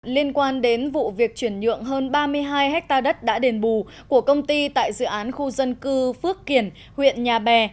liên quan đến vụ việc chuyển nhượng hơn ba mươi hai hectare đất đã đền bù của công ty tại dự án khu dân cư phước kiển huyện nhà bè